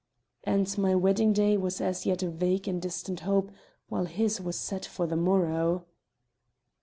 And my wedding day was as yet a vague and distant hope, while his was set for the morrow.